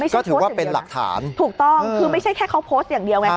ก็ถือว่าเป็นหลักฐานใช่ไหมครับไม่ใช่แค่โพสต์อย่างเดียว